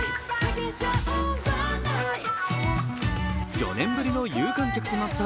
４年ぶりの有観客となった